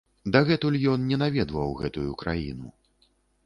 Дагэтуль ён не наведваў гэтую краіну.